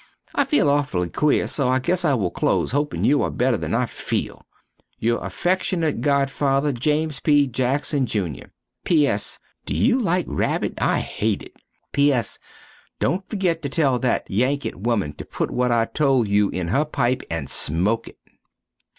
I feel auful queer so guess I will close hoping you are better than I feel Your affeckshunate godfather, James P. Jackson Jr. P.S. Do you like rabit? I hate it! P.S. Dont ferget to tell that Yanket woman to put what I told you in her pipe and smoke it.